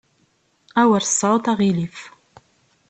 Awer tesɛuḍ aɣilif.